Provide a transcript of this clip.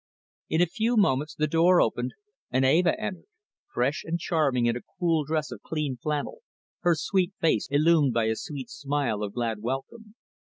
In a few moments the door opened and Eva entered, fresh and charming in a cool dress of cream flannel, her sweet face illumined by a smile of glad welcome.